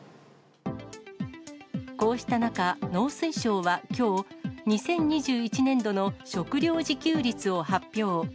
こうした中、農水省はきょう、２０２１年度の食料自給率を発表。